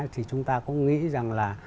thì chúng ta cũng nghĩ rằng là